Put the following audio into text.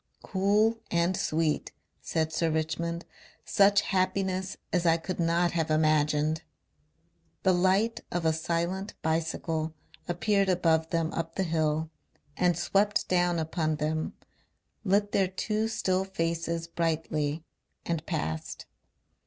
"Cool and sweet," said Sir Richmond. "Such happiness as I could not have imagined." The light of a silent bicycle appeared above them up the hill and swept down upon them, lit their two still faces brightly and passed.